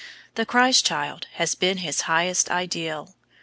The Christ child has been his highest ideal.